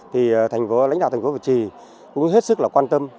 thì lãnh đạo thành phố việt trì cũng hết sức quan tâm